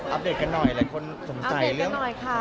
เดตกันหน่อยหลายคนสงสัยเรื่อง